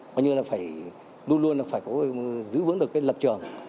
gọi như là phải luôn luôn phải giữ vững được cái lập trường